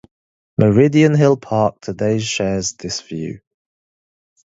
Meridian Hill Park today shares this view.